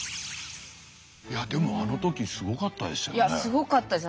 いやでもあの時すごかったですよね。